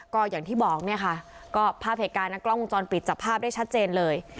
ก็อย่างที่บอกเนี่ยค่ะก็ภาพเหตุการณ์นะกล้องวงจรปิดจับภาพได้ชัดเจนเลย